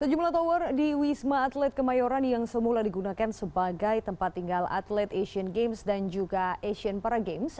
sejumlah tower di wisma atlet kemayoran yang semula digunakan sebagai tempat tinggal atlet asian games dan juga asian para games